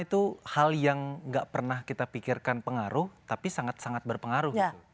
itu hal yang nggak pernah kita pikirkan pengaruh tapi sangat sangat berpengaruh